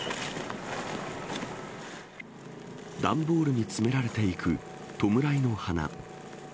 段ボールに詰められていく弔いの花。